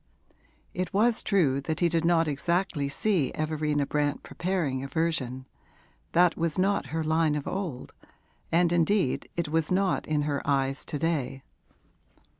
It was true that he did not exactly see Everina Brant preparing a version; that was not her line of old, and indeed it was not in her eyes to day.